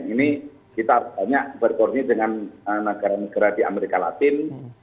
ini kita banyak berkoordini dengan negara negara di amerika latin